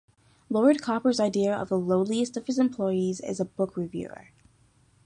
Lord Copper's idea of the lowliest of his employees is a book reviewer.